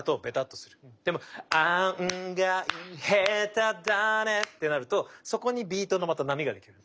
でもあんがい、へただねってなるとそこにビートのまた波ができるの。